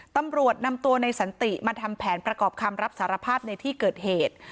ตำรวจนำตัวในสันติมาทำแผนประกอบคำรับสารภาพในที่เกิดเหตุ